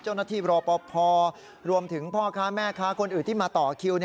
รอปภรวมถึงพ่อค้าแม่ค้าคนอื่นที่มาต่อคิว